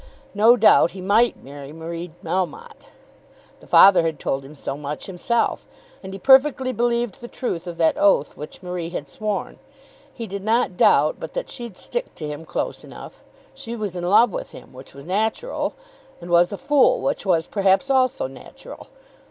No doubt he might marry Marie Melmotte. The father had told him so much himself, and he perfectly believed the truth of that oath which Marie had sworn. He did not doubt but that she'd stick to him close enough. She was in love with him, which was natural; and was a fool, which was perhaps also natural.